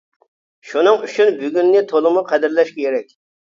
شۇنىڭ ئۈچۈن، بۈگۈننى تولىمۇ قەدىرلەش كېرەك.